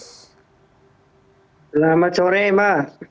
selamat sore ma